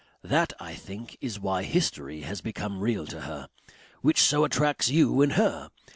That I think is why history has become real to her. Which so attracts you in her.